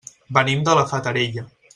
Venim de la Fatarella.